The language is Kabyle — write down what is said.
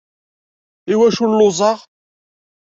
Iwacu lluẓeɣ?